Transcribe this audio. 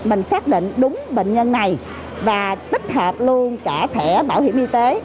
mình xác định đúng bệnh nhân này và tích hợp luôn cả thẻ bảo hiểm y tế